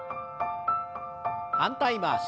反対回し。